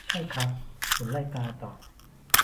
ใช่ครับ หุ่นไล่กาตอบ